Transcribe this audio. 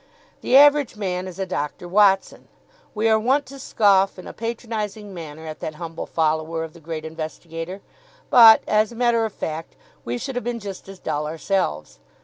The average man is a Doctor Watson. We are wont to scoff in a patronising manner at that humble follower of the great investigator, but, as a matter of fact, we should have been just as dull ourselves.